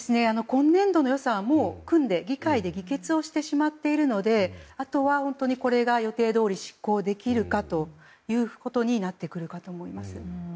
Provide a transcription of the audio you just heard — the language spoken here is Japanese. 今年度の予算を組んで議会で議決をしてしまっているのであとはこれが予定どおり執行できるかということになると思います。